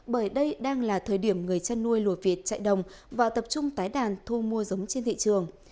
bởi đây đang là thời điểm người chăn nuôi lùa việt chạy đồng và tập trung tái đàn thu mua giống trên thị trường